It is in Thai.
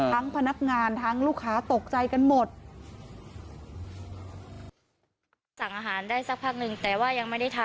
พนักงานทั้งลูกค้าตกใจกันหมด